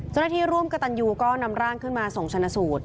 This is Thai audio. เจ้าหน้าที่ร่วมกับตันยูก็นำร่างขึ้นมาส่งชนะสูตร